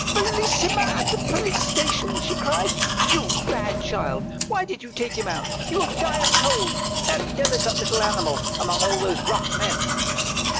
" Bellissima at the police station!" she cried; "you bad child ! Why did you take him out ! he will die of cold ! That delicate little animal among all those rough men!